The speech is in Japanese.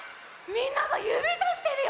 みんながゆびさしてるよ！